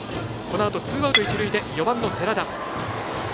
このあと、ツーアウト、一塁で４番の寺田。